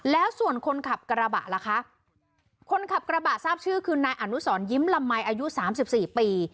แล้วส่วนคนขับกรบะละคะคนขับกรบะทราบชื่อคือนายอานุสรยิ้มลำมันอายุ๓๔ปี